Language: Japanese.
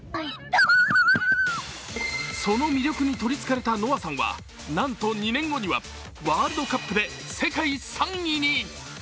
その魅力にとりつかれたＮＯＷＡさんはなんと２年後にはワールドカップで世界３位に。